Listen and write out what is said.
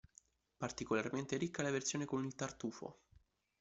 Particolarmente ricca è la versione con il tartufo.